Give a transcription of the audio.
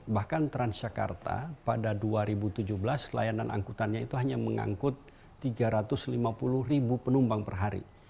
bahkan transjakarta pada dua ribu tujuh belas layanan angkutannya itu hanya mengangkut tiga ratus lima puluh ribu penumpang per hari